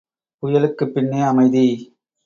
புயலுக்குப் பின்னே அமைதி.